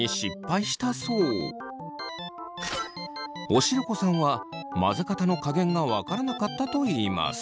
おしるこさんは混ぜ方の加減が分からなかったといいます。